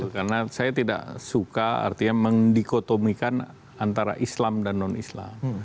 karena saya tidak suka artinya mendikotomikan antara islam dan non islam